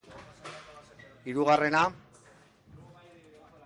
Erasotzailea genero indarkeriagatik eta agente bat kolpatu izanagatik atxilotu dute.